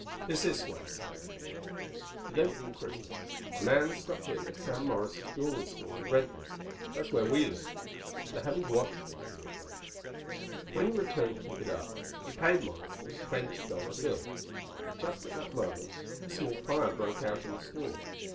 "It's this way," Ken began. "The day before Christmas a man stopped in at Sam Morris's jewelry store in Brentwood—that's where we live—to have his watch crystal replaced. When he returned to pick it up he paid Morris with a twenty dollar bill. But just at that moment a small fire broke out in the store.